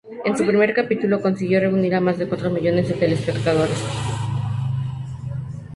En su primer capítulo consiguió reunir a más de cuatro millones de telespectadores.